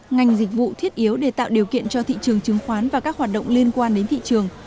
ngành dịch vụ thiết yếu để tạo điều kiện cho thị trường chứng khoán và các hoạt động liên quan đến thị trường